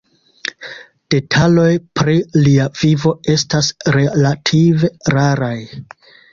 Detaloj pri lia vivo estas relative raraj.